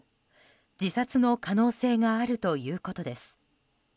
自殺の可能性があるということです。